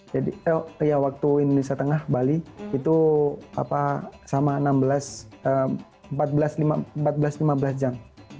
jadi ya waktu indonesia tengah bali itu sama empat belas lima belas jam